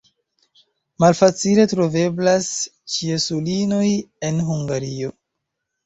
Malfacile troveblas ĉiesulinoj en Hungario.